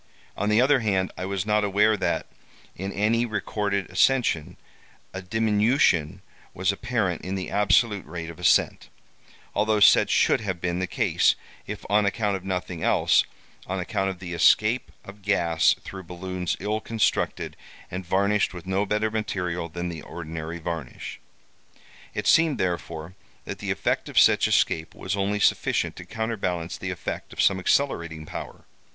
On the other hand, I was not aware that, in any recorded ascension, a diminution was apparent in the absolute rate of ascent; although such should have been the case, if on account of nothing else, on account of the escape of gas through balloons ill constructed, and varnished with no better material than the ordinary varnish. It seemed, therefore, that the effect of such escape was only sufficient to counterbalance the effect of some accelerating power.